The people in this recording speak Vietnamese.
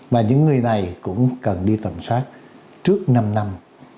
mà những người này cũng cần đi tầm soát trước năm năm